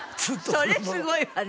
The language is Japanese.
それすごいわね。